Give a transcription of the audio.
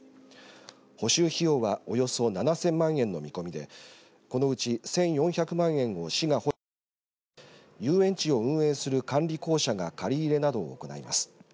補修費用はおよそ７０００万円の見込みでこのうち１４００万円を市が補助するほか遊園地を運営する管理公社が借り入れなどを行います。